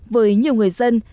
với nhiều người dân